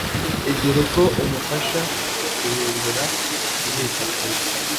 igira uko imufasha guhindura inyifato ye.